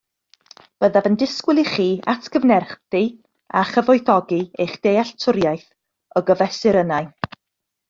Byddaf yn disgwyl i chi atgyfnerthu a chyfoethogi eich dealltwriaeth o gyfesurynnau